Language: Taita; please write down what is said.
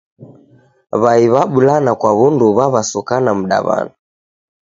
W'ai w'abulana kwa w'undu w'aw'asokana mdaw'ana